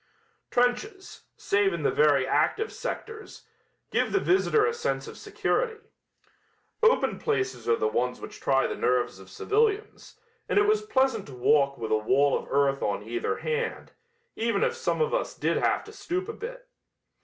Trenches, save in the very active sectors, give the visitor a sense of security. Open places are the ones which try the nerves of civilians, and it was pleasant to walk with a wall of earth on either hand, even if some of us did have to stoop a bit.